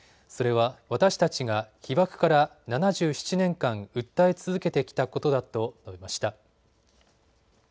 それは私たちが被爆から７７年間、訴え続けてきたことだと述べました。